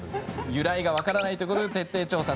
由来が分からないということで徹底調査。